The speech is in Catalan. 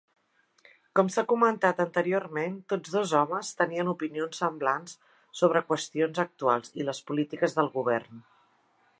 Com s'ha comentat anteriorment, tots dos homes tenien opinions semblants sobre qüestions actuals i les polítiques del govern.